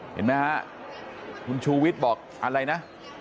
เห็นไหมฮะคุณชูวิทย์บอกอะไรนะ